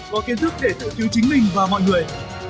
có kiến thức để tự cứu chính mình và mọi người